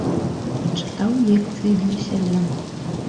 Чытаў лекцыі для сялян.